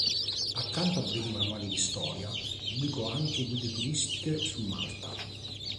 Accanto a brevi manuali di storia, pubblicò anche guide turistiche su Malta.